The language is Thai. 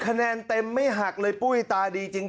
คะแนนเต็มไม่หักเลยปุ้ยตาดีจริง